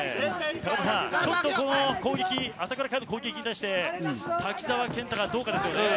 高田さん、朝倉海の攻撃に対し瀧澤謙太がどうかですよね。